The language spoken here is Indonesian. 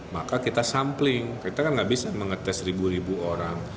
maka kita sampling kita kan nggak bisa mengetes ribu ribu orang